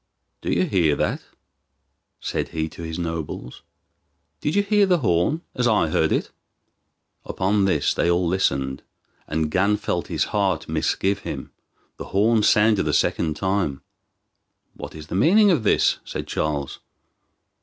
"Do you hear that?" said he to his nobles. "Did you hear the horn as I heard it?" Upon this they all listened, and Gan felt his heart misgive him. The horn sounded a second time. "What is the meaning of this?" said Charles.